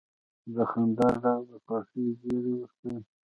د خندا ږغ د خوښۍ زیری ورکوي.